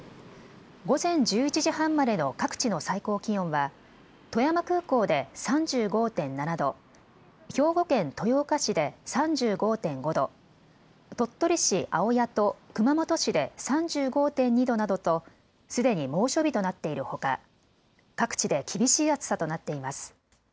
午前１１時半までの各地の最高気温は富山空港で３５．７度、兵庫県豊岡市で３５．５度、鳥取市青谷と熊本市で３５．２度などとすでに猛暑日となっているほか、各地で厳しい暑さとなっています。